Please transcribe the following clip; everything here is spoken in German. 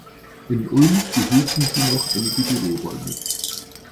In Ulm behielten sie noch einige Büroräume.